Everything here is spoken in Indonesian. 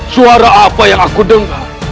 suara apa yang aku dengar